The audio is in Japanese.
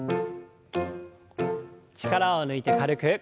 力を抜いて軽く。